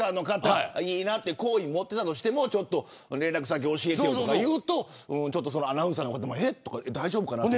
好意を持っていたとしても連絡先、教えてとか言うとアナウンサーの方も大丈夫かなって。